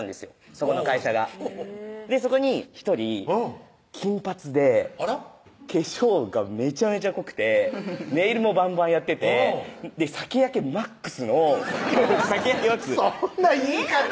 そこの会社がそこに１人金髪であらっ化粧がめちゃめちゃ濃くてネイルもバンバンやってて酒焼けマックスの酒焼けマックスそんな言い方！